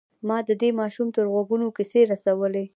ما د دې ماشوم تر غوږونو کيسې رسولې.